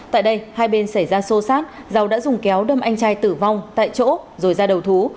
tại đây hai bên xảy ra sô sát dầu đã dùng kéo đâm anh trai tử vong tại chỗ rồi ra đầu thú